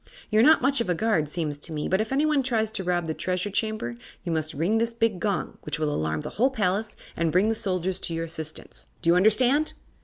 You're not much of a guard, seems to me, but if anyone tries to rob the Treasure Chamber you must ring this big gong, which will alarm the whole palace and bring the soldiers to your assistance. Do you understand?"